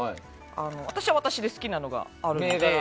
私は私で好きなのがあるので。